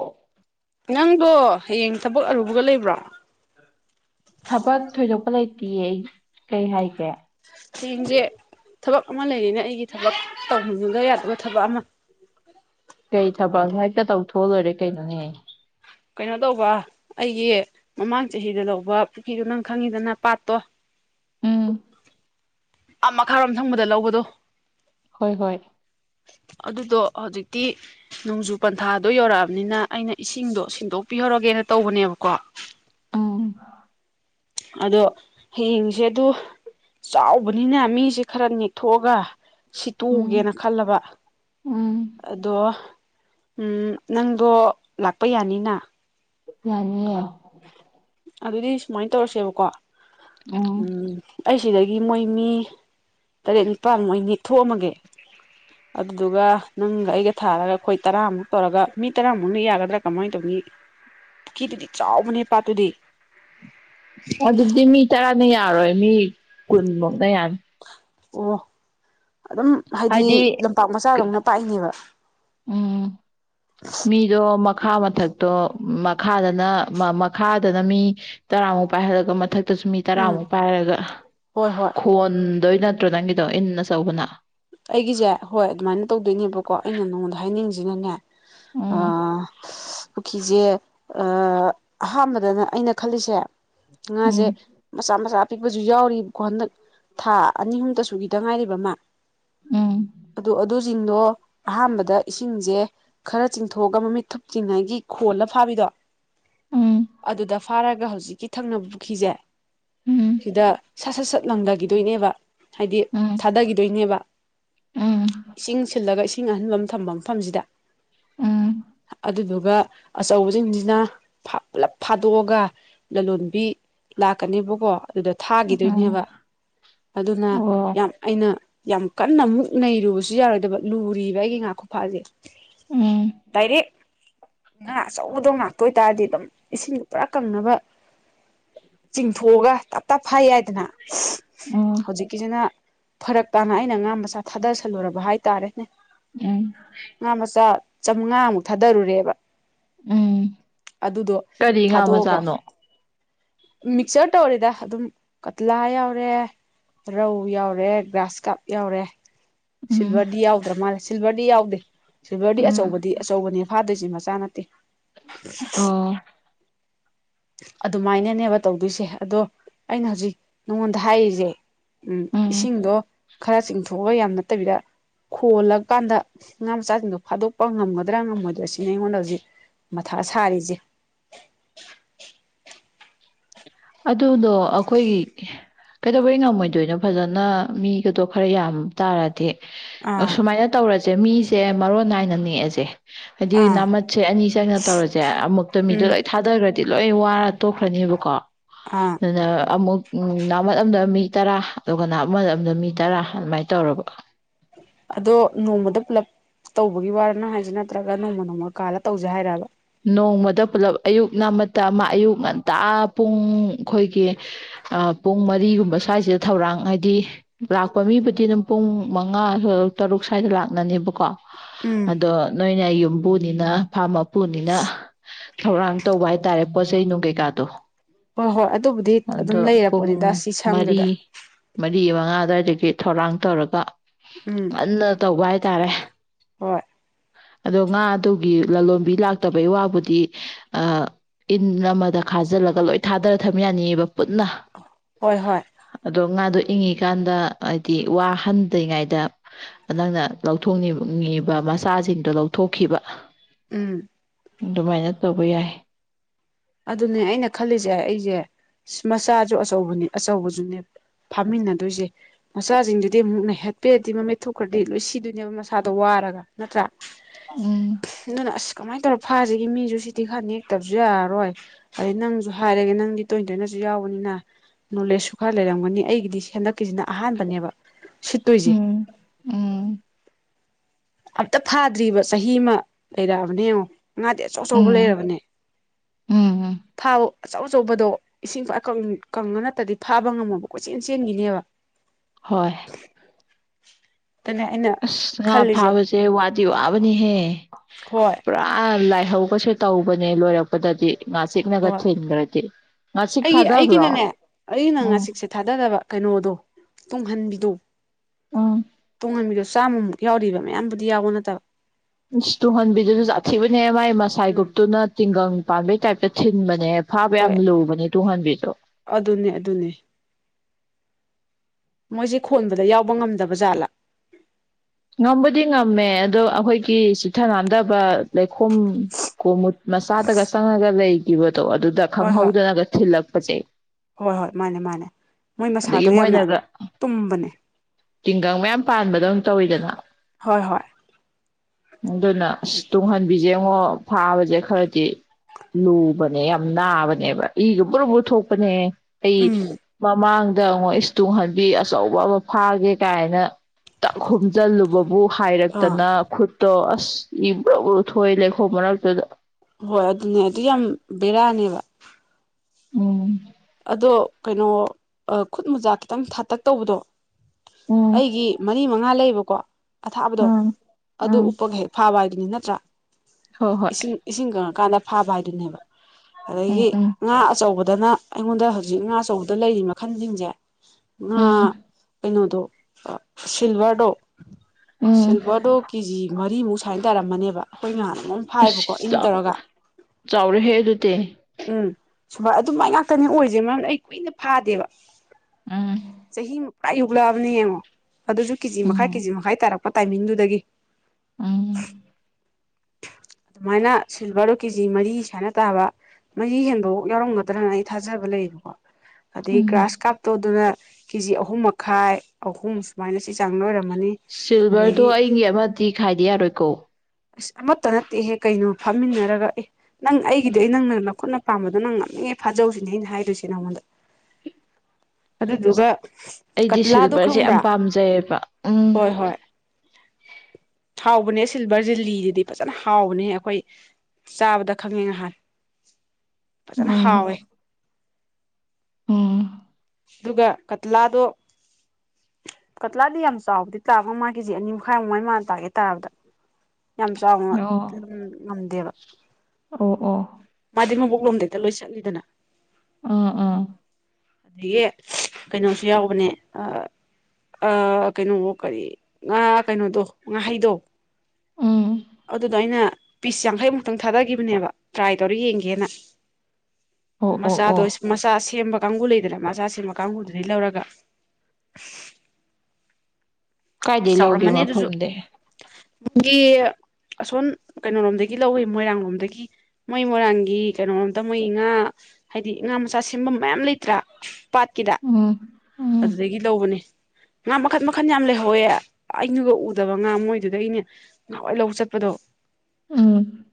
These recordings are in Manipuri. ꯑꯣ ꯅꯪꯗꯣ ꯍꯌꯦꯡ ꯊꯕꯛ ꯑꯔꯨꯕꯒ ꯂꯩꯕ꯭ꯔꯣ ꯊꯕꯛ ꯊꯣꯏꯗꯣꯛꯄ ꯂꯩꯇꯦꯌꯦ ꯑꯩ ꯀꯩ ꯍꯥꯏꯒꯦ ꯆꯦꯡꯁꯦ ꯊꯕꯛ ꯑꯃ ꯂꯩꯔꯤꯅ ꯑꯩꯒꯤ ꯊꯕꯛ ꯇꯧꯅꯤꯡꯉꯗ ꯌꯥꯗꯕ ꯊꯕꯛ ꯑꯃ ꯀꯩ ꯊꯥꯕꯛꯅꯣ ꯍꯦꯛꯇꯥ ꯇꯧꯊꯣꯛꯑꯥ ꯂꯣꯏꯔꯦ ꯀꯩꯅꯣꯅꯦ ꯀꯩꯅꯣ ꯇꯧꯕ ꯑꯩꯒꯤ ꯃꯃꯥꯡ ꯆꯍꯤꯗ ꯂꯧꯕ ꯄꯨꯈ꯭ꯔꯤꯗꯨꯣ ꯅꯪ ꯈꯪꯉꯤꯗꯅ ꯄꯥꯠꯇꯣ ꯎꯝ ꯑꯥ ꯃꯈꯥꯔꯣꯝ ꯊꯪꯕꯗ ꯂꯧꯕꯗꯣ ꯍꯣꯏ ꯍꯣꯏ ꯑꯗꯨꯗꯣ ꯍꯧꯖꯤꯛꯇꯤ ꯅꯣꯡꯖꯨ ꯄꯟꯊꯥꯗꯣ ꯌꯧꯔꯛꯑꯕꯅꯤꯅ ꯑꯩꯅ ꯏꯁꯤꯡꯗꯣ ꯁꯤꯟꯗꯣꯛꯄꯤꯍꯧꯔꯒꯦꯅ ꯇꯧꯕꯅꯦꯕꯀꯣ ꯎꯝ ꯑꯗꯣ ꯍꯌꯦꯡꯁꯦ ꯑꯗꯨ ꯆꯥꯎꯕꯅꯤꯅ ꯃꯤꯁꯦ ꯈꯔ ꯅꯦꯛꯊꯣꯛꯑꯒ ꯎꯝ ꯁꯤꯠꯇꯣꯛꯒꯦꯅ ꯈꯜꯂꯕ ꯎꯝ ꯑꯗꯣ ꯅꯪꯗꯣ ꯂꯥꯛꯄ ꯌꯥꯅꯤꯅ ꯌꯥꯅꯤ ꯑꯗꯨꯗꯤ ꯁꯨꯃꯥꯏꯅ ꯇꯧꯔꯁꯦꯕꯀꯣ ꯎꯝ ꯑꯩꯁꯤꯗꯒꯤ ꯃꯣꯏ ꯃꯤ ꯇꯔꯦꯠ ꯅꯤꯄꯥꯜ ꯃꯣꯏꯅꯤ ꯊꯣꯛꯑꯝꯃꯒꯦ ꯑꯗꯨꯗꯨꯒ ꯅꯪꯒ ꯑꯩꯒ ꯊꯥꯔꯒ ꯑꯩꯈꯣꯏ ꯇꯔꯥꯃꯨꯛ ꯇꯧꯔꯒ ꯃꯤ ꯇꯔꯥꯃꯨꯛꯅ ꯌꯥꯒꯗ꯭ꯔꯥ ꯀꯃꯥꯏꯅ ꯇꯧꯅꯤ ꯀꯤꯗꯨꯗꯤ ꯆꯥꯎꯕꯅꯦ ꯄꯥꯠꯇꯨꯗꯤ ꯑꯗꯨꯗꯤ ꯃꯤ ꯇꯔꯥꯅ ꯌꯥꯔꯣꯏ ꯃꯤ ꯀꯨꯟꯃꯨꯛꯅ ꯌꯥꯅꯤ ꯑꯣ ꯑꯗꯨꯝ ꯍꯥꯏꯗꯤ ꯂꯝꯄꯥꯛ ꯃꯆꯥꯗꯧꯅ ꯄꯥꯛꯏꯅꯦꯕ ꯎꯝ ꯃꯤꯗꯣ ꯃꯈꯥ ꯃꯊꯛꯇꯣ ꯃꯈꯥꯗꯅ ꯃꯈꯥꯗꯅ ꯃꯤ ꯇꯔꯥꯃꯨꯛ ꯄꯥꯏꯍꯜꯂꯒ ꯃꯊꯛꯇꯁꯨ ꯃꯤ ꯎꯝ ꯇꯔꯥꯃꯨꯛ ꯄꯥꯏꯔꯒ ꯍꯣꯏ ꯍꯣꯏ ꯈꯣꯟꯗꯣꯏ ꯅꯠꯇ꯭ꯔꯣ ꯅꯪꯒꯤꯗꯣ ꯏꯟꯅ ꯑꯆꯧꯕꯅ ꯑꯩꯒꯤꯁꯦ ꯍꯣꯏ ꯑꯗꯨꯃꯥꯏꯅ ꯇꯧꯗꯣꯏꯅꯦꯕꯀꯣ ꯑꯩꯅ ꯅꯉꯣꯟꯗ ꯍꯥꯏꯅꯤꯡꯉꯁꯤꯅꯅꯦ ꯑ ꯎꯝ ꯁꯈꯖꯦ ꯑꯍꯥꯟꯕꯗꯅ ꯑꯩꯅ ꯈꯜꯂꯤꯁꯦ ꯉꯥꯁꯦ ꯎꯝ ꯃꯆꯥ ꯃꯆꯥ ꯄꯤꯛꯄꯁꯨ ꯌꯥꯎꯔꯤꯕꯀꯣ ꯍꯟꯗꯛ ꯊꯥ ꯑꯅꯤ ꯑꯍꯨꯝꯇꯁꯨꯨ ꯈꯤꯇ ꯉꯥꯏꯔꯤꯕ ꯑꯃ ꯎꯝ ꯑꯗꯨꯗ ꯑꯗꯨꯁꯤꯡꯗꯣ ꯑꯍꯥꯟꯕꯗ ꯏꯁꯤꯡꯁꯦ ꯈꯔ ꯆꯤꯡꯊꯣꯛꯑꯒ ꯃꯃꯤꯠ ꯊꯨꯞ ꯆꯤꯡꯉꯥꯏꯒꯤ ꯈꯣꯜꯂ ꯐꯥꯕꯤꯗꯣ ꯎꯝ ꯑꯗꯨꯗ ꯐꯥꯔꯒ ꯍꯧꯖꯤꯛꯀꯤ ꯊꯪꯅꯕ ꯄꯨꯈꯤꯁꯦ ꯎꯝ ꯁꯤꯗ ꯁꯠ ꯁꯠ ꯁꯠ ꯂꯪꯊꯈꯤꯗꯣꯏꯅꯦꯕ ꯍꯥꯏꯗꯤ ꯎꯝ ꯊꯥꯗꯈꯤꯗꯣꯏꯅꯦꯕ ꯎꯝ ꯏꯁꯤꯡ ꯁꯤꯜꯂꯒ ꯏꯁꯤꯡ ꯑꯍꯟꯕ ꯊꯝꯕ ꯃꯐꯝꯁꯤꯗ ꯑꯝ ꯑꯗꯨꯗꯨꯒ ꯑꯆꯧꯕꯁꯤꯡꯁꯤꯅ ꯄꯨꯂꯞ ꯐꯥꯗꯣꯛꯑꯒ ꯂꯂꯣꯟꯕꯤ ꯂꯥꯛꯀꯅꯦꯕꯀꯣ ꯑꯗꯨꯗ ꯎꯝ ꯊꯥꯈꯤꯗꯣꯏꯅꯦꯕ ꯑꯗꯨꯅ ꯑꯣ ꯌꯥꯝ ꯑꯩꯅ ꯌꯥꯝ ꯀꯟꯅ ꯑꯃꯨꯛ ꯅꯩꯔꯨꯕꯁꯨ ꯌꯥꯔꯣꯏꯗꯕ ꯂꯨꯔꯤꯕ ꯑꯩꯒꯤ ꯉꯥ ꯈꯨꯐꯥꯁꯦ ꯎꯝ ꯗꯥꯏꯔꯦꯛ ꯉꯥ ꯑꯆꯧꯕꯗꯣ ꯉꯥꯛꯇ ꯑꯣꯏꯇꯥꯔꯗꯤ ꯑꯗꯨꯝ ꯏꯁꯤꯡꯗꯣ ꯄꯨꯔꯥ ꯀꯪꯅꯕ ꯆꯤꯡꯊꯣꯛꯑꯒ ꯇꯞ ꯇꯞ ꯐꯥ ꯌꯥꯏꯗꯅ ꯎꯝ ꯍꯧꯖꯤꯛꯀꯤꯁꯤꯅ ꯐꯔꯛ ꯇꯥꯅ ꯑꯩ ꯑꯩꯅ ꯉꯥ ꯃꯆꯥ ꯊꯥꯗꯁꯜꯂꯨꯔꯕ ꯍꯥꯏꯇꯥꯔꯦꯅꯦ ꯎꯝ ꯉꯥ ꯃꯆꯥ ꯆꯝꯉꯥꯃꯨꯛ ꯊꯥꯗꯔꯨꯔꯦꯕ ꯎꯝ ꯑꯗꯨꯗꯣ ꯀꯔꯤ ꯉꯥ ꯐꯥꯗꯣꯛꯑꯒ ꯃꯆꯥꯅꯣ ꯃꯤꯛꯆꯔ ꯇꯧꯔꯦꯗ ꯑꯗꯨꯝ ꯀꯠꯂꯥ ꯌꯥꯎꯔꯦ ꯔꯧ ꯌꯥꯎꯔꯦ ꯒ꯭ꯔꯥꯁ ꯀꯥꯞ ꯌꯥꯎꯔꯦ ꯎꯝ ꯁꯤꯜꯚꯔꯗꯤ ꯌꯥꯎꯗ꯭ꯔꯥ ꯃꯥꯜꯂꯦ ꯁꯤꯜꯚꯔꯗꯤ ꯌꯥꯎꯗꯦ ꯁꯤꯜꯚꯔꯗꯤ ꯎꯝ ꯑꯆꯧꯕꯗꯤ ꯑꯆꯧꯕꯅꯦ ꯐꯥꯗꯣꯏꯁꯦ ꯃꯆꯥ ꯅꯠꯇꯦ ꯑꯣ ꯑꯗꯨꯃꯥꯏꯅꯅꯦꯕ ꯇꯧꯗꯣꯏꯁꯦ ꯑꯗꯣ ꯑꯩꯅ ꯍꯧꯖꯤꯛ ꯅꯉꯣꯟꯗ ꯍꯥꯏꯔꯤꯁꯦ ꯎꯝ ꯏꯁꯤꯡꯗꯣ ꯈꯔ ꯆꯤꯡꯊꯣꯛꯑꯒ ꯌꯥꯝ ꯅꯠꯇꯕꯤꯗ ꯈꯣꯜꯂꯀꯥꯟꯗ ꯉꯥ ꯃꯆꯥꯁꯤꯡꯗꯣ ꯐꯥꯗꯣꯛꯄ ꯉꯝꯒꯗ꯭ꯔꯥ ꯉꯝꯃꯣꯏꯗ꯭ꯔꯥ ꯁꯤꯅꯤ ꯑꯩꯉꯣꯟꯗ ꯍꯧꯖꯤꯛ ꯃꯊꯥ ꯁꯥꯔꯤꯖꯦ ꯑꯗꯨꯗꯣ ꯑꯩꯈꯣꯏꯒꯤ ꯀꯩꯗꯧꯕꯩ ꯉꯝꯃꯣꯏꯗꯣꯏꯅꯣ ꯐꯖꯅ ꯃꯤꯒꯗꯣ ꯈꯔ ꯌꯥꯝ ꯇꯥꯔꯗꯤ ꯑꯥ ꯁꯨꯃꯥꯏꯅ ꯇꯧꯔꯁꯦ ꯃꯤꯁꯦ ꯃꯔꯣꯟ ꯅꯥꯏꯅ ꯅꯦꯛꯑꯁꯦ ꯍꯥꯏꯗꯤ ꯑꯥ ꯅꯥꯃꯠꯁꯦ ꯑꯅꯤ ꯆꯪꯅ ꯇꯧꯔꯁꯦ ꯑꯃꯨꯛꯇ ꯃꯤꯗꯣ ꯎꯝ ꯂꯣꯏ ꯊ ꯊꯥꯗꯒꯔꯗꯤ ꯂꯣꯏ ꯋꯥꯔ ꯇꯣꯛꯈ꯭ꯔꯅꯦꯕꯀꯣ ꯑꯥ ꯑꯗꯨꯅ ꯑꯃꯨꯛ ꯅꯥꯃꯜ ꯑꯝꯗ ꯃꯤ ꯇꯔꯥ ꯑꯗꯨꯒ ꯍꯃꯜ ꯑꯝꯗ ꯃꯤ ꯇꯔꯥ ꯑꯗꯨꯃꯥꯏꯅ ꯇꯧꯔꯕ ꯑꯗꯣ ꯅꯣꯡꯃꯗ ꯄꯨꯂꯞ ꯇꯧꯕꯒꯤ ꯋꯥꯔ ꯍꯥꯏꯁꯦ ꯅꯠꯇ꯭ꯔꯒ ꯅꯣꯡꯃ ꯅꯣꯡꯃ ꯀꯥꯜꯂ ꯇꯧꯁꯦ ꯍꯥꯏꯔꯕ ꯅꯣꯡꯃꯗ ꯄꯨꯜꯂꯞ ꯑꯌꯨꯛ ꯑꯃꯇꯥ ꯑꯃ ꯑꯌꯨꯛ ꯉꯟꯇꯥ ꯄꯨꯡ ꯑꯩꯈꯣꯏꯒꯤ ꯄꯨꯡ ꯃꯔꯤꯒꯨꯝꯕ ꯁ꯭ꯋꯥꯏꯁꯤꯗ ꯊꯧꯔꯥꯡ ꯍꯥꯏꯗꯤ ꯂꯥꯛꯄ ꯃꯤꯕꯨꯗꯤ ꯑꯗꯨꯝ ꯄꯨꯡ ꯃꯉꯥ ꯇꯔꯨꯛ ꯁ꯭ꯋꯥꯏꯗ ꯂꯥꯛꯅꯅꯦꯕꯀꯣ ꯎꯝ ꯑꯗꯣ ꯅꯣꯏꯅ ꯌꯨꯝꯕꯨꯅꯤꯅ ꯐꯥꯝꯃ ꯄꯨꯅꯤꯅ ꯊꯧꯔꯥꯡ ꯇꯧꯕ ꯍꯥꯏꯇꯥꯔꯦ ꯄꯣꯠ ꯆꯩ ꯅꯨꯡ ꯀꯩꯀꯥꯗꯣ ꯍꯣꯏ ꯍꯣꯏ ꯑꯗꯨꯕꯨꯗꯤ ꯑꯗꯨꯝ ꯑꯗꯣ ꯂꯩꯔ ꯄꯨꯡ ꯄꯣꯠꯅꯤꯗ ꯁꯤ ꯃꯔꯤ ꯁꯪꯗꯨꯗ ꯃꯔꯤ ꯃꯉꯥ ꯑꯗꯨꯋꯥꯏꯗꯒꯤ ꯊꯧꯔꯥꯡ ꯇꯧꯔꯒ ꯎꯝ ꯅ ꯇꯧꯕ ꯍꯥꯏꯇꯥꯔꯦ ꯍꯣꯏ ꯑꯗꯣ ꯉꯥꯗꯨꯒꯤ ꯂꯂꯣꯟꯕꯤ ꯂꯥꯛꯇꯕꯩ ꯋꯥꯕꯨꯗꯤ ꯑ ꯏꯟ ꯑꯃꯗ ꯈꯥꯖꯤꯜꯂꯒ ꯂꯣꯏ ꯊꯥꯗꯔ ꯊꯝ ꯌꯥꯅꯤꯕ ꯄꯨꯟꯅ ꯍꯣꯏ ꯍꯣꯏ ꯑꯗꯣ ꯉꯥꯗꯣ ꯏꯪꯉꯤꯀꯥꯟꯗ ꯍꯥꯏꯗꯤ ꯋꯥ ꯍꯟꯗ꯭ꯔꯤꯉꯩꯗ ꯅꯪꯅ ꯂꯧꯊꯣꯛꯅꯤꯡꯉꯤꯕ ꯃꯆꯥꯁꯤꯡꯗꯣ ꯂꯧꯊꯣꯛꯈꯤꯕ ꯎꯝ ꯑꯗꯨꯃꯥꯏꯅ ꯇꯧꯕ ꯌꯥꯏ ꯑꯗꯨꯅꯦ ꯑꯩꯅ ꯈꯜꯂꯤꯁꯦ ꯑꯩꯁꯦ ꯃꯆꯥꯁꯨ ꯑꯆꯧꯕꯅꯤ ꯑꯆꯧꯕꯁꯨꯅꯦꯕ ꯐꯥꯃꯤꯟꯅꯗꯣꯏꯖꯦ ꯃꯆꯥꯁꯤꯡꯗꯨꯗꯤ ꯑꯃꯨꯛ ꯅꯩꯍꯠꯄꯤꯔꯗꯤ ꯃꯃꯤꯠ ꯊꯨꯞꯈ꯭ꯔꯗꯤ ꯂꯣꯏ ꯁꯤꯗꯣꯏꯅꯦꯕ ꯃꯁꯥꯗꯣ ꯋꯥꯔꯒ ꯅꯠꯇ꯭ꯔ ꯎꯝ ꯑꯗꯨꯅ ꯑꯁ ꯀꯃꯥꯏꯅ ꯇꯧꯔ ꯐꯥꯁꯤꯒꯦ ꯃꯤꯁꯨ ꯁꯤꯗꯤ ꯈꯔ ꯅꯛꯇꯕꯖꯨ ꯌꯥꯔꯔꯣꯏ ꯑꯗꯩ ꯅꯪꯁꯨ ꯍꯥꯏꯔꯒꯦ ꯅꯪꯗꯤ ꯇꯣꯏꯅ ꯇꯣꯏꯅꯁꯨ ꯌꯥꯎꯕꯅꯤꯅ ꯅꯣꯂꯦꯖꯁꯨ ꯈꯔ ꯂꯩꯔꯝꯒꯅꯤ ꯑꯩꯒꯤꯗꯤ ꯍꯟꯗꯛꯀꯤꯁꯤꯅ ꯑꯍꯥꯟꯕꯅꯦꯕ ꯁꯤꯠꯇꯣꯏꯖꯦ ꯎꯝ ꯎꯝ ꯑꯝꯇ ꯐꯥꯗ꯭ꯔꯤꯕ ꯆꯍꯤ ꯑꯃ ꯂꯩꯔꯛꯑꯕꯅꯦ ꯌꯦꯡꯉꯣ ꯉꯥꯗꯤ ꯑꯆꯧ ꯑꯆꯧꯕ ꯎꯝ ꯂꯩꯔꯕꯅꯦ ꯎꯝ ꯊꯥꯕꯨ ꯑꯆꯧ ꯑꯆꯧꯕꯗꯣ ꯏꯁꯤꯡ ꯈ꯭ꯋꯥꯏ ꯀꯪꯉ ꯅꯠꯇꯗꯤ ꯐꯥꯕ ꯉꯝꯃꯕ ꯀꯣꯏꯆꯦꯟ ꯆꯦꯟꯈꯤꯅꯦꯕ ꯍꯣꯏ ꯇꯅ ꯑꯅ ꯑꯁ ꯉꯥ ꯐꯥꯕꯁꯦ ꯋꯥꯗꯤ ꯋꯥꯕꯅꯤꯍꯦ ꯍꯣꯏ ꯄꯨꯔꯥ ꯂꯥꯏꯍꯧꯕꯁꯦ ꯇꯧꯕꯅꯦ ꯂꯣꯏꯔꯛꯄꯗꯗꯤ ꯉꯥꯁꯤꯛꯅꯒ ꯍꯣꯏ ꯊꯤꯟꯈ꯭ꯔꯗꯤ ꯉꯥꯁꯤꯛ ꯑꯩꯒꯤ ꯊꯥꯗꯈ꯭ꯔꯣ ꯑꯩꯒꯤꯅꯅꯦ ꯑꯩꯒꯤꯅ ꯎꯝ ꯉꯥꯆꯤꯛꯁꯦ ꯊꯥꯗꯗꯕ ꯀꯩꯅꯣꯗꯣ ꯇꯨꯡꯍꯟꯕꯤꯗꯨꯣ ꯎꯝ ꯇꯨꯡꯍꯟꯕꯤꯗꯣ ꯆꯥꯝꯃꯨꯛ ꯌꯥꯎꯔꯤꯕ ꯃꯌꯥꯝꯕꯨꯗꯤ ꯌꯥꯎꯕ ꯅꯠꯇꯕ ꯏꯁ ꯇꯨꯍꯟꯕꯤꯗꯨꯁꯨ ꯑꯊꯤꯕꯅꯦ ꯃꯥꯥꯏ ꯃꯁꯥꯏ ꯎꯝ ꯒꯨꯞꯇꯨꯅ ꯇꯤꯡꯒꯪ ꯄꯥꯟꯕꯒꯤ ꯇꯥꯏꯞꯇ ꯊꯤꯟꯕꯅꯦꯕ ꯐꯥꯕ ꯌꯥꯝ ꯍꯣꯏ ꯂꯨꯕꯅꯦ ꯇꯨꯡꯍꯟꯕꯤꯗꯣ ꯑꯗꯨꯅꯦ ꯑꯗꯨꯅꯦ ꯃꯣꯏꯁꯤꯦ ꯈꯣꯟꯕꯗ ꯌꯥꯎꯕ ꯉꯝꯗꯕ ꯖꯥꯠꯂꯥ ꯉꯝꯕꯗꯤ ꯉꯝꯃꯦ ꯑꯗꯣ ꯑꯩꯈꯣꯏꯒꯤ ꯆꯤꯊ ꯅꯥꯟꯊꯕ ꯂꯩꯈꯣꯝ ꯀꯣꯃꯨꯠ ꯃꯆꯥꯗꯒ ꯆꯪꯉꯒ ꯂꯩꯈꯤꯕꯗꯣ ꯑꯗꯨꯗ ꯍꯣꯏ ꯍꯣꯏ ꯈꯪꯍꯧꯗꯅꯒ ꯊꯤꯜꯂꯛꯄꯁꯦ ꯍꯣꯏ ꯍꯣꯏ ꯃꯥꯅꯦ ꯃꯥꯅꯦ ꯃꯣꯏ ꯃꯁꯥꯗꯣ ꯑꯗꯒꯤ ꯌꯥꯝꯅ ꯃꯣꯏꯅꯒ ꯇꯨꯝꯕꯅꯦ ꯇꯤꯡꯒꯪ ꯃꯌꯥꯝ ꯄꯥꯟꯕꯗꯧꯅ ꯇꯧꯋꯤꯗꯅ ꯍꯣꯏ ꯍꯣꯏ ꯑꯗꯨꯅ ꯑꯁ ꯇꯨꯡꯍꯟꯕꯤꯁꯦ ꯌꯦꯡꯉꯣ ꯐꯥꯕꯁꯦ ꯈꯔꯗꯤ ꯂꯨꯕꯅꯦ ꯌꯥꯝ ꯅꯥꯕꯅꯦꯕ ꯏꯒꯨꯝꯕꯔꯨꯝꯕꯨ ꯊꯣꯛꯄꯅꯦ ꯑꯩ ꯎꯝ ꯃꯃꯥꯡꯗ ꯃꯣꯏ ꯏꯁ ꯇꯨꯡꯍꯟꯕꯤ ꯑꯆꯧꯕ ꯑꯃ ꯐꯥꯒꯦ ꯀꯥꯏꯅ ꯥꯛ ꯍꯣꯨꯝꯖꯤꯜꯂꯨꯕꯕꯨ ꯑꯥ ꯍꯥꯏꯔꯛꯇꯅ ꯈꯨꯠ ꯇꯣ ꯑꯁ ꯏꯕ꯭ꯔꯥ ꯭ꯔꯨ ꯊꯣꯛꯑ ꯂꯩꯈꯣ ꯃꯔꯛꯇꯨꯗ ꯍꯣꯏ ꯑꯗꯨꯅꯦ ꯑꯗꯨ ꯌꯥꯝ ꯕꯦꯔꯥꯅꯦꯕ ꯎꯝ ꯑꯗꯣ ꯀꯩꯅꯣ ꯈꯨꯠ ꯃꯨꯖꯥ ꯈꯤꯇꯪ ꯊꯥꯇꯛ ꯇꯧꯕꯗꯣ ꯎꯝ ꯑꯩꯒꯤ ꯃꯔꯤ ꯃꯉꯥ ꯂꯩꯕꯀꯣ ꯑꯊꯥꯕꯗꯣ ꯎꯝ ꯑꯗꯨ ꯎꯝ ꯎꯞꯄꯒ ꯍꯦꯛ ꯐꯥꯕ ꯍꯥꯏꯗꯨꯅꯤ ꯅꯠꯇ꯭ꯔꯥ ꯍꯣꯏ ꯍꯣꯏ ꯏꯁꯤꯡ ꯏꯁꯤꯡ ꯀꯪꯉꯛꯀꯥꯟꯗ ꯐꯥꯕ ꯍꯥꯏꯗꯨꯅꯦꯕ ꯎꯝ ꯑꯗꯒꯤ ꯎꯝ ꯉꯥ ꯑꯆꯧꯕꯗꯅ ꯑꯩꯉꯣꯟꯗ ꯍꯧꯖꯤꯛ ꯉꯥ ꯑꯆꯧꯕꯗ ꯂꯩꯔꯤ ꯃꯈꯜꯁꯤꯡꯁꯦ ꯑ ꯎꯝ ꯏꯩꯅꯣꯗꯣ ꯁꯤꯜꯚꯔꯗꯣ ꯎꯝ ꯁꯤꯜꯚꯔꯗꯣ ꯀꯦꯖꯤ ꯃꯔꯤꯃꯨꯛ ꯁꯨꯃꯥꯏꯅ ꯇꯥꯔꯝꯃꯅꯦꯕ ꯑꯩꯈꯣꯏ ꯉꯍꯥꯟ ꯑꯃꯨꯛ ꯐꯕꯀꯣ ꯏꯟ ꯑꯁ ꯇꯧꯔꯒ ꯆꯥꯎꯔꯦꯍꯦ ꯑꯗꯨꯗꯤ ꯎꯝ ꯁꯨꯃꯥꯏ ꯑꯗꯨꯃꯥꯏ ꯉꯥꯛꯇꯅꯤ ꯑꯣꯏꯁꯦ ꯃꯔꯝꯗꯤ ꯑꯩ ꯀꯨꯏꯅ ꯐꯥꯗꯦꯕ ꯎꯝ ꯆꯍꯤꯃꯨꯛ ꯄꯨꯔꯥ ꯌꯨꯛꯂꯛꯑꯕꯅꯦ ꯌꯦꯡꯉꯣ ꯑꯗꯨꯁꯨ ꯀꯦꯖꯤ ꯃꯈꯥꯏ ꯎꯝ ꯀꯦꯖꯤ ꯃꯈꯥꯏ ꯇꯥꯔꯛꯄ ꯇꯥꯏꯃꯤꯡꯗꯨꯗꯒꯤ ꯎꯝ ꯑꯗꯨꯃꯥꯏꯅ ꯁꯤꯜꯚꯔꯗ ꯀꯦꯖꯤ ꯃꯔꯤ ꯁꯨꯥꯏꯅ ꯇꯥꯕ ꯃꯍꯤ ꯍꯦꯟꯕꯐꯥꯎ ꯌꯥꯎꯔꯝꯒꯗ꯭ꯔꯅ ꯑꯩ ꯊꯥꯖꯕ ꯂꯩꯌꯦꯕꯀꯣ ꯑꯗꯩ ꯎꯝ ꯒ꯭ꯔꯥꯁ ꯀꯥꯞꯇꯣ ꯑꯗꯨꯅ ꯀꯦ ꯖꯤ ꯑꯍꯨꯝ ꯃꯈꯥꯏ ꯑꯍꯨꯝ ꯁꯨꯃꯥꯏꯅ ꯆꯦ ꯆꯥꯡ ꯂꯣꯏꯔꯝꯃꯅꯤ ꯁꯤꯜꯚꯔꯗꯣ ꯑꯗꯒꯤ ꯑꯩꯒꯤ ꯑꯃꯗꯤ ꯈꯥꯏꯗꯤ ꯌꯥꯔꯣꯏꯀꯣ ꯑꯁ ꯑꯃꯠꯇ ꯅꯠꯇꯦꯍꯦ ꯀꯩꯅꯣ ꯐꯝꯃꯤꯟꯅꯔꯒ ꯑꯦ ꯅꯪ ꯑꯩꯒꯤꯗꯤ ꯑꯩ ꯅꯪꯅ ꯈꯨꯠꯅ ꯄꯥꯝꯕꯗꯣ ꯅꯪ ꯉꯝꯅꯤꯡꯉꯦ ꯐꯥꯖꯧꯁꯤꯅꯦ ꯑꯩꯅ ꯍꯥꯏꯗꯣꯏꯁꯦ ꯅꯪꯉꯣꯟꯗ ꯑꯗꯨꯗꯨꯒ ꯑꯩꯗꯤ ꯀꯠꯂꯥꯗꯣ ꯁꯤꯜꯚꯔꯁꯦ ꯈꯪꯕ꯭ꯔꯥ ꯌꯥꯝ ꯄꯥꯝꯖꯩꯌꯦꯕ ꯎꯝ ꯍꯣꯏ ꯍꯣꯏ ꯍꯥꯎꯕꯅꯦ ꯁꯤꯜꯚꯔ ꯖꯤꯜꯂꯤꯁꯤꯗꯤ ꯐꯖꯅ ꯍꯥꯎꯕꯅꯦ ꯑꯩꯈꯣꯏ ꯆꯥꯕꯗ ꯈꯪꯉꯦ ꯉꯍꯥꯟ ꯐꯖꯅ ꯍꯥꯎꯋꯦ ꯎꯝ ꯎꯝ ꯑꯗꯨꯒ ꯀꯠꯂꯥꯗꯣ ꯀꯠꯂꯥꯗꯤ ꯌꯥꯝ ꯆꯥꯎꯕꯗꯤ ꯇꯥꯕ ꯃꯥ ꯀꯦꯖꯤ ꯑꯅꯤ ꯃꯈꯥꯏꯃꯨꯛꯥꯏ ꯃꯥꯥꯟꯅ ꯇꯥꯒꯦ ꯇꯥꯔꯕꯗ ꯌꯥꯝ ꯆꯥꯎꯅ ꯑꯣ ꯉꯝꯗꯦꯕ ꯑꯣ ꯑꯣ ꯃꯥꯗꯤ ꯃꯕꯣꯛꯂꯣꯝꯗꯩꯗ ꯂꯣꯏ ꯆꯠꯂꯤꯗꯅ ꯎꯝ ꯎꯝ ꯑꯗꯒꯤ ꯀꯩꯅꯣꯁꯨ ꯌꯥꯎꯕꯅꯦ ꯑ ꯀꯩꯅꯣ ꯀꯔꯤ ꯉꯥ ꯀꯩꯅꯣꯗꯣ ꯉꯥꯍꯩꯗꯣ ꯎꯝ ꯑꯗꯨꯗꯣ ꯑꯩꯅ ꯄꯤꯁ ꯌꯥꯡꯈꯩꯃꯨꯛꯇꯪ ꯊꯥꯗꯈꯤꯕꯅꯦꯕ ꯇ꯭ꯔꯥꯏ ꯇꯧꯔ ꯌꯦꯡꯒꯦꯅ ꯑꯣ ꯑꯣ ꯃꯆꯥꯗꯣ ꯑꯣ ꯃꯆꯥ ꯁꯦꯝꯕ ꯀꯥꯡꯒꯨ ꯂꯩꯗꯅ ꯃꯆꯥ ꯁꯦꯝꯕ ꯀꯥꯡꯒꯨꯗꯨꯗꯒꯤ ꯂꯧꯔꯒ ꯀꯥꯏꯗꯩ ꯂꯧꯒꯦ ꯆꯥꯎꯔꯝꯃꯅꯤ ꯑꯗꯨꯁꯨ ꯃꯐꯝꯗꯤ ꯄꯨꯡꯒꯤ ꯑꯁꯣꯟ ꯀꯩꯅꯣ ꯂꯣꯝꯗꯒꯤ ꯂꯧꯋꯤ ꯃꯣꯏꯔꯥꯡ ꯂꯣꯝꯗꯒꯤ ꯃꯣꯏ ꯃꯣꯏꯔꯥꯡꯒꯤ ꯀꯩꯅꯣꯝꯇ ꯃꯣꯏ ꯏ ꯉꯥ ꯍꯥꯏꯗꯤ ꯏꯥ ꯃꯆꯥ ꯁꯦꯝꯕ ꯃꯌꯥꯝ ꯂꯩꯇ꯭ꯔꯥ ꯄꯥꯠꯀꯤꯗ ꯎꯝ ꯎꯝ ꯑꯗꯨꯗꯒꯤ ꯂꯧꯕꯅꯦ ꯉꯥ ꯃꯈꯟ ꯃꯈꯟ ꯌꯥꯝ ꯂꯩꯍꯧꯋꯦ ꯑꯩꯅꯒ ꯎꯗꯕ ꯉꯥ ꯃꯣꯏꯗꯨꯗꯩꯅꯦ ꯉꯍꯋꯥꯏ ꯂꯧ ꯆꯠꯄꯗꯣ ꯎꯝ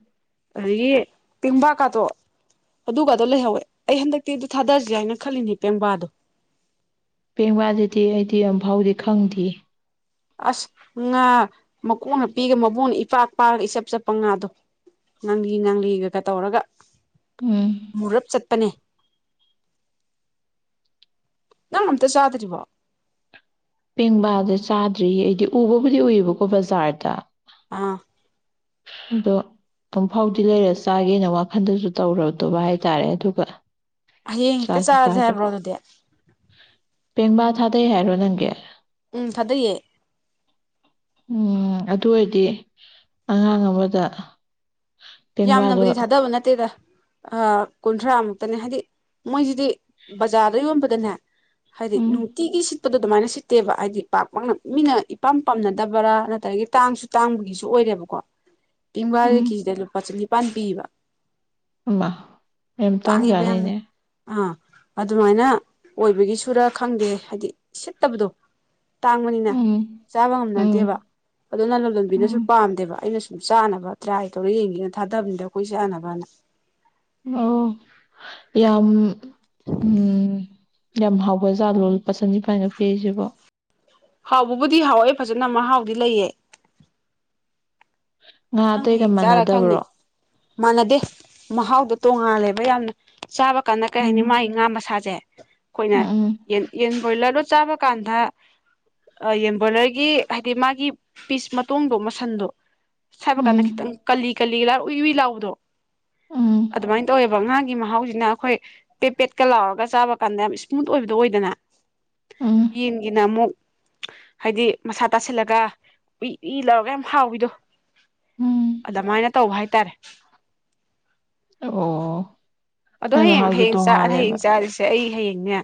ꯑꯗꯒꯤ ꯄꯦꯡꯕꯥꯀꯥꯗꯣ ꯑꯗꯨꯒꯗꯣ ꯂꯩꯍꯧꯋꯦ ꯑꯩ ꯍꯟꯗꯛꯇꯤ ꯑꯗꯨ ꯊꯥꯗꯔꯁ ꯍꯥꯏꯅ ꯈꯜꯂꯤꯅꯤ ꯄꯦꯡꯕꯥꯗꯣ ꯄꯦꯡꯕꯥꯗꯨꯗꯤ ꯑꯩꯗꯤ ꯑꯃꯝꯐꯥꯎꯗꯤ ꯈꯪꯗꯦ ꯑꯁ ꯉꯥ ꯃꯀꯣꯛꯅ ꯄꯤꯒ ꯃꯕꯨꯡꯅ ꯏꯄꯥꯛ ꯄꯥꯂꯒ ꯏꯆꯞ ꯆꯞꯄ ꯉꯥꯗꯣ ꯉꯥꯡꯂꯤ ꯉꯥꯡꯂꯤꯒꯒ ꯇꯧꯔꯒ ꯎꯝ ꯃꯨꯔꯞ ꯆꯠꯄꯅꯦ ꯅꯅꯇ ꯆꯥꯇꯔꯤ ꯋꯥꯣ ꯄꯦꯡꯕꯥꯗ ꯆꯥꯗ꯭ꯔꯤꯌꯦ ꯑꯩꯗꯤ ꯎꯕꯕꯨꯗꯤ ꯎꯏꯌꯦꯕꯀꯣ ꯕꯖꯥꯔꯗ ꯑꯥ ꯑꯗꯣ ꯑꯃꯝꯐꯥꯎꯗꯤ ꯂꯩꯔ ꯆꯥꯒꯦꯅ ꯋꯥꯈꯟꯗꯁꯨ ꯇꯧꯔꯗꯕ ꯍꯥꯏꯇꯥꯔꯦ ꯑꯗꯨꯒ ꯍꯌꯦꯡ ꯍꯦꯛꯇ ꯆꯥꯖ ꯆꯥꯔꯁꯦ ꯆꯥꯖ ꯍꯥꯏꯕ꯭ꯔꯣ ꯑꯗꯨꯗꯤ ꯄꯦꯡꯕꯥ ꯊꯥꯗꯩ ꯍꯥꯏꯔꯣ ꯅꯪꯒꯤ ꯎꯝ ꯊꯥꯗꯩꯌꯦ ꯎꯝ ꯑꯗꯨ ꯑꯣꯏꯔꯗꯤ ꯑꯉꯥꯡ ꯑꯃꯗ ꯄꯦꯡꯕꯥꯗꯣ ꯌꯥꯝꯅꯕꯨꯗꯤ ꯊꯥꯗꯕ ꯅꯠꯇꯦꯗ ꯀꯨꯟꯊ꯭ꯔꯥꯃꯨꯛꯇꯅꯦ ꯍꯥꯏꯗꯤ ꯃꯣꯏꯁꯤꯗꯤ ꯕꯖꯥꯔꯗ ꯌꯣꯟꯕꯗꯅꯦ ꯍꯥꯏꯗꯤ ꯎꯝ ꯅꯨꯡꯇꯤꯒꯤꯁꯤ ꯎꯠꯄꯗ ꯑꯗꯨꯃꯥꯏꯅ ꯁꯤꯠꯇꯦꯕ ꯍꯥꯏꯗꯤ ꯄꯥꯛ ꯄꯥꯛꯅ ꯃꯤꯅ ꯏꯄꯥꯝ ꯄꯝꯅꯗꯕ꯭ꯔꯥ ꯅꯠꯇ꯭ꯔꯒ ꯇꯥꯡꯁꯨ ꯇꯥꯡꯕꯒꯤꯁꯨ ꯑꯣꯏꯔꯦꯕꯀꯣ ꯄꯦꯡꯕꯥꯁꯦ ꯎꯝ ꯀꯦꯖꯤꯗ ꯂꯨꯄꯥ ꯆꯅꯤꯄꯥꯟ ꯄꯤꯕ ꯑ ꯃ ꯌꯥꯝꯅ ꯇꯥꯡꯖꯥꯅꯤꯅꯦ ꯑꯥ ꯑꯗꯨꯃꯥꯏꯅ ꯑꯣꯏꯕꯒꯤ ꯁꯨꯔ ꯈꯪꯗꯦ ꯍꯥꯏꯗꯤ ꯁꯤꯠꯇꯕꯗꯣ ꯇꯥꯡꯕꯅꯤꯅ ꯎꯝ ꯆꯥꯕ ꯉꯝꯅꯗꯦꯕ ꯎꯝ ꯑꯗꯨꯅ ꯂꯂꯣꯟꯕꯤꯅꯁꯨ ꯎꯝ ꯄꯥꯝꯗꯦꯕ ꯑꯩꯅꯁꯨ ꯆꯥꯅꯕ ꯇ꯭ꯔꯥꯏ ꯇꯧꯔ ꯌꯦꯡꯒꯅ ꯊꯥꯗꯕꯅꯤꯗ ꯑꯩꯈꯣꯏ ꯆꯥꯅꯕꯅ ꯑꯣ ꯌꯥꯝ ꯎꯝ ꯌꯥꯝ ꯍꯥꯎꯕ ꯖꯥ ꯂꯣꯜ ꯄꯁꯟ ꯏꯐꯥꯏꯅ ꯄꯤꯔꯤꯁꯤꯕꯣ ꯍꯥꯎꯕꯕꯨꯗꯤ ꯍꯥꯎꯋꯦ ꯐꯖꯅ ꯃꯍꯥꯎꯗꯤ ꯂꯩꯌꯦ ꯉꯥ ꯅꯪ ꯑꯇꯩꯒ ꯍꯌꯦꯡ ꯆꯥꯔ ꯈꯪꯅꯤ ꯃꯥꯟꯅꯗꯕ꯭ꯔꯣ ꯃꯥꯟꯅꯗꯦ ꯃꯍꯥꯎꯗꯣ ꯇꯣꯡꯉꯥꯜꯂꯦꯕ ꯌꯥꯝꯅ ꯆꯥꯕ ꯀꯥꯟꯗ ꯀꯔꯤ ꯎꯝ ꯍꯥꯏꯅꯤ ꯃꯥꯒꯤ ꯉꯥ ꯃꯁꯥꯁꯦ ꯑꯩꯈꯣꯏꯅ ꯎꯝ ꯌꯦꯟ ꯌꯦꯟ ꯕꯣꯏꯂꯔꯣ ꯆꯥꯕ ꯀꯥꯟꯗ ꯌꯦꯟꯕꯣꯏꯂꯔꯒꯤ ꯍꯥꯏꯗꯤ ꯃꯥꯒꯤ ꯄꯤꯁ ꯃꯇꯣꯟꯗꯣ ꯃꯁꯟꯗꯣ ꯁ ꯍꯥꯏꯕ ꯀꯥꯟꯗ ꯈꯤꯇꯪ ꯎꯝ ꯀꯂꯤ ꯀꯂꯤ ꯂꯥꯛ ꯎꯏ ꯎꯨꯏ ꯂꯥꯛꯎꯗꯣ ꯎꯝ ꯑꯗꯨꯃꯥꯏꯅ ꯇꯧꯋꯦꯕ ꯉꯥꯒꯤ ꯃꯍꯥꯎꯁꯤꯅ ꯑꯩꯈꯣꯏ ꯄꯦꯄꯦꯠꯀ ꯂꯥꯎꯔꯒ ꯆꯥꯕ ꯀꯥꯟꯗ ꯌꯥꯝ ꯏꯁꯃꯨꯠ ꯑꯣꯏꯕꯗꯣ ꯑꯣꯏꯗꯅ ꯎꯝ ꯎꯝ ꯌꯦꯟꯒꯤꯅ ꯑꯃꯨꯛ ꯍꯥꯏꯗꯤ ꯃꯁꯥ ꯇꯥꯁꯤꯜꯂꯒ ꯏꯏ ꯏ ꯂꯧꯔꯒ ꯌꯥꯝ ꯍꯥꯎꯋꯗꯣ ꯎꯝ ꯑꯗꯨꯃꯥꯏꯅ ꯇꯧꯕ ꯍꯥꯏꯇꯥꯔꯦ ꯑꯣ ꯑꯗꯣ ꯃꯥꯏ ꯍꯌꯦꯡ ꯃꯍꯥꯎꯁꯦ ꯍꯌꯦꯡ ꯆꯥꯛ ꯇꯣꯡꯉꯥꯜꯂꯦꯕ ꯍꯌꯦꯡ ꯆꯥꯔꯤꯁꯦ ꯑꯩ ꯍꯌꯦꯡꯅꯦ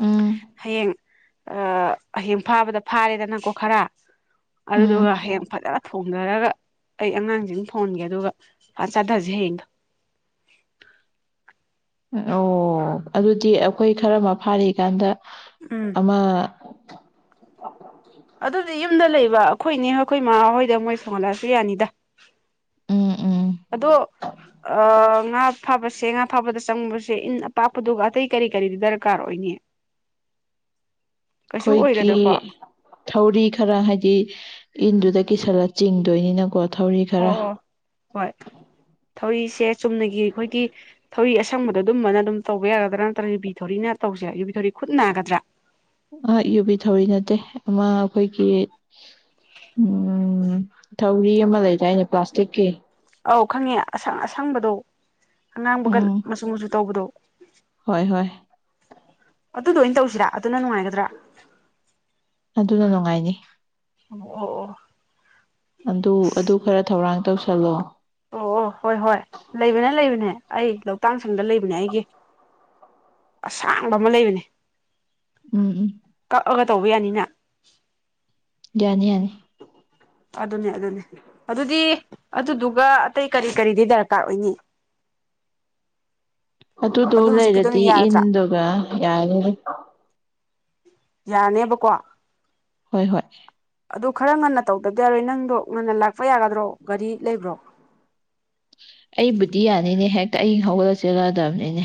ꯎꯝ ꯍꯌꯦꯡ ꯍꯌꯦꯡ ꯐꯥꯕꯗ ꯐꯥꯔꯦꯗ ꯅꯪꯀꯣ ꯈꯔ ꯎꯝ ꯑꯗꯨꯗꯨꯒ ꯍꯌꯦꯡ ꯐꯖꯅ ꯐꯣꯡꯊꯔꯒ ꯑꯩ ꯑꯉꯥꯡꯁꯤꯡ ꯐꯣꯟꯒꯦ ꯑꯗꯨꯒ ꯆꯠꯊꯁꯦ ꯍꯌꯦꯡꯗꯣ ꯑꯣ ꯑꯗꯨꯗꯤ ꯑꯩꯈꯣꯏ ꯈꯔ ꯑꯃ ꯐꯥꯔꯤꯀꯥꯟꯗ ꯎꯝ ꯑꯃ ꯑꯗꯨꯗꯤ ꯌꯨꯝꯗ ꯂꯩꯕ ꯑꯩꯈꯣꯏꯅꯦ ꯑꯩꯈꯣꯏ ꯃꯃꯥꯍꯣꯏꯗ ꯃꯣꯏ ꯁꯧꯍꯠꯂꯛꯁꯨ ꯌꯥꯅꯤꯗ ꯎꯝ ꯎꯝ ꯑꯗꯣ ꯑ ꯉꯥ ꯐꯥꯕꯁꯦ ꯉꯥ ꯐꯥꯕꯗ ꯆꯪꯕꯁꯦ ꯏꯟ ꯑꯄꯥꯛꯄꯗꯨꯒ ꯑꯇꯩ ꯀꯔꯤ ꯀꯔꯤꯗꯤ ꯗꯔꯀꯥꯔ ꯑꯣꯏꯒꯅꯤ꯫ [unintelligible] ꯑꯩꯈꯣꯏꯒꯤ꯫ ꯊꯧꯔꯤ ꯈꯔ ꯍꯥꯏꯗꯤ ꯏꯟꯗꯨꯗ ꯀꯤꯁꯜꯂ ꯆꯤꯡꯗꯣꯏꯅꯤꯅꯀꯣ꯫ ꯊꯧꯔꯤ ꯈꯔ ꯑꯣ ꯑꯣ ꯍꯣꯏ ꯊꯧꯔꯤꯁꯦ ꯆꯨꯝꯅꯒꯤ ꯑꯩꯈꯣꯏꯒꯤ ꯊꯧꯔꯤ ꯑꯁꯪꯕꯗꯣ ꯑꯗꯨꯝꯕꯅ ꯑꯗꯨꯝ ꯇꯧꯕ ꯌꯥꯒꯗ꯭ꯔꯥ ꯅꯠꯇ꯭ꯔꯒ ꯌꯨꯕꯤ ꯊꯧꯔꯤꯅ ꯇꯧꯁꯦ ꯌꯨꯕꯤ ꯊꯧꯔꯤ ꯈꯨꯠ ꯅꯥꯒꯗ꯭ꯔꯥ꯫ ꯑ ꯌꯨꯕꯤ ꯊꯧꯔꯤ ꯅꯠꯇꯦ ꯑꯃ ꯑꯩꯈꯣꯏꯒꯤ ꯎꯝ ꯊꯧꯔꯤ ꯑꯃ ꯂꯩꯗꯥꯏꯅꯦ ꯄ꯭ꯂꯥꯁꯇꯤꯛꯀꯤ꯫ ꯑꯧ ꯈꯪꯉꯦ ꯑꯁꯪ ꯑꯁꯪꯕꯗꯣ ꯑꯉꯥꯡꯕꯒ ꯎꯝ ꯃꯆꯨ ꯃꯆꯨ ꯇꯧꯕꯗꯣ ꯍꯣꯏ ꯍꯣꯏ꯫ ꯑꯗꯨꯗꯨ ꯑꯣꯏꯅ ꯇꯧꯁꯤꯔꯥ ꯑꯗꯨꯅ ꯅꯨꯡꯉꯥꯏꯒꯗ꯭ꯔꯥ꯫ ꯑꯗꯨꯅ ꯅꯨꯡꯉꯥꯏꯅꯤ꯫ ꯑꯣ ꯑꯣ꯫ ꯑꯗꯨ ꯑꯗꯨ ꯈꯔ ꯊꯧꯔꯥꯡ ꯇꯧꯁꯜꯂꯣ꯫ ꯑꯣ ꯑꯣ ꯍꯣꯏ ꯍꯣꯏ ꯂꯩꯕꯅ ꯂꯩꯕꯅꯦ ꯑꯩ ꯂꯧꯇꯥꯡ ꯁꯪꯗ ꯂꯩꯕꯅꯦ ꯑꯩꯒꯤ ꯑꯁꯥꯡꯕ ꯑꯃ ꯂꯩꯕꯅꯦ꫰꫰ ꯎꯝ ꯎꯝ꯫ ꯀꯛꯑꯒ ꯇꯧꯕ ꯌꯥꯅꯤꯅ꯫ ꯌꯥꯅꯤ ꯌꯥꯅꯤ꯫ ꯑꯗꯨꯅꯦ ꯑꯗꯨꯅꯦ꯫ ꯑꯗꯨꯗꯤ ꯑꯗꯨꯗꯨꯒ ꯑꯇꯩ ꯀꯔꯤ ꯀꯔꯤꯗꯤ ꯗꯔꯀꯥꯔ ꯑꯣꯏꯅꯤ꯫ ꯑꯗꯨꯗꯣ ꯑꯗꯨ ꯍꯧꯖꯤꯛꯀꯤꯗꯨꯅ ꯂꯩꯔꯗꯤ ꯌꯥꯔꯗ꯭ꯔꯥ ꯏꯟꯗꯨꯒ ꯌꯥꯔꯅꯤ꯫ ꯌꯥꯔꯅꯦꯕꯀꯣ꯫ ꯍꯣꯏ ꯍꯣꯏ꯫ ꯑꯗꯨ ꯈꯔ ꯉꯟꯅ ꯇꯧꯗꯕꯗꯤ ꯌꯥꯔꯣꯏ ꯅꯪꯗꯣ ꯉꯟꯅ ꯂꯥꯛꯄ ꯌꯥꯒꯗ꯭ꯔꯣ ꯒꯥꯔꯤ ꯂꯩꯕ꯭ꯔꯣ ꯑꯩꯕꯨꯗꯤ ꯌꯥꯅꯤꯅꯦ ꯍꯦꯛꯇ ꯑꯩ ꯍꯧꯒꯠꯂ ꯆꯦꯜꯂꯗꯕꯅꯤꯅꯦ꯫